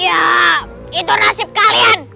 ya itu nasib kalian